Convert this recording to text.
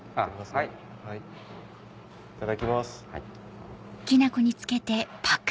いただきます。